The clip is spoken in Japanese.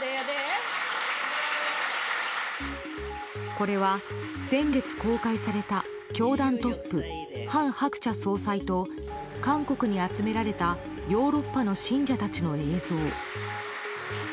これは先月公開された教団トップ、韓鶴子総裁と韓国に集められたヨーロッパの信者たちの映像。